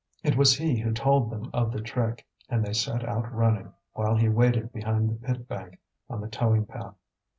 It was he who told them of the trick, and they set out running, while he waited behind the pit bank, on the towing path.